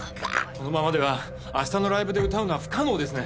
このままでは明日のライブで歌うのは不可能ですね。